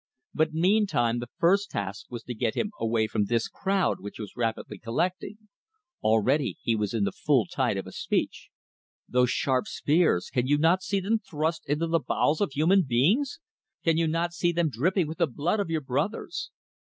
But meantime, the first task was to get him away from this crowd which was rapidly collecting. Already he was in the full tide of a speech. "Those sharp spears! Can you not see them thrust into the bowels of human beings? Can you not see them dripping with the blood of your brothers?"